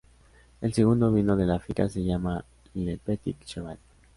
El segundo vino de la finca se llama Le Petit Cheval.